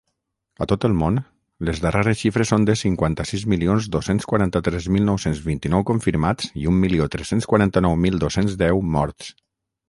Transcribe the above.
A tot el món, les darreres xifres són de cinquanta-sis milions dos-cents quaranta-tres mil nou-cents vint-i-nou confirmats i un milió tres-cents quaranta-nou mil dos-cents deu morts.